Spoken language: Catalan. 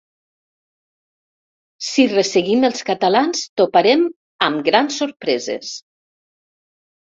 Si resseguim els catalans, toparem amb grans sorpreses.